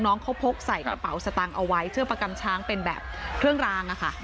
น้องเขาพกใส่กระเป๋าสตางค์เอาไว้เชือกประกำช้างเป็นแบบเครื่องรางอะค่ะ